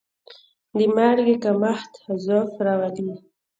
د مالګې کمښت ضعف راولي.